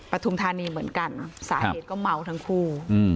ทุมธานีเหมือนกันสาเหตุก็เมาทั้งคู่